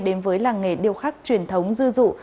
đến với làng nghề điêu khắc truyền thống dư dụ